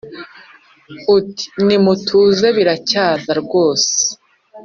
uti: “nimutuze biracyaza rwose